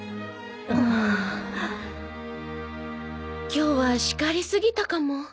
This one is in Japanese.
今日は叱りすぎたかも。